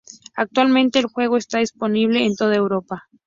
Actualmente el juego está disponible en toda Europa.